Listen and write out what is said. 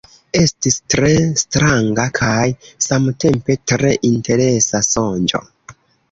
Estis tre stranga, kaj samtempe tre interesa sonĝo.